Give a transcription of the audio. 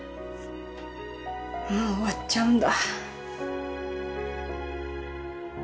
もう終わっちゃうんだ